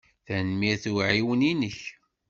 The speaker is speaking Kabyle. Tanemmirt i uɛiwen-inek.